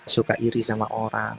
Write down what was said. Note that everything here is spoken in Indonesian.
suka iri sama orang